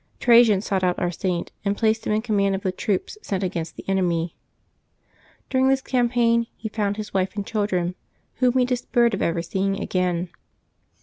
Trajan sought out our Saint, and placed him in command of the troops sent against the enemy. During this campaign he found his wife and children, whom he despaired of ever seeing again.